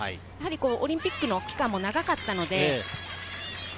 オリンピックの期間も長かったので。